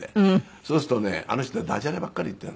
そうするとねあの人はダジャレばっかり言っているの。